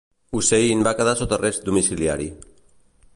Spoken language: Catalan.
Hussein va quedar sota arrest domiciliari.